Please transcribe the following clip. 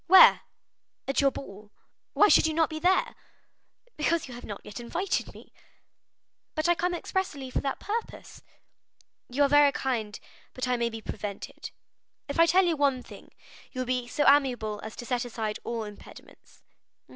"Where?" "At your ball." "Why should you not be there?" "Because you have not yet invited me." "But I come expressly for that purpose." "You are very kind, but I may be prevented." "If I tell you one thing, you will be so amiable as to set aside all impediments."